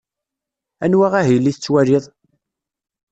Anwa ahil i tettwaliḍ?